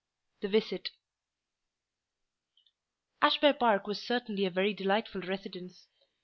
THE VISIT Ashby Park was certainly a very delightful residence.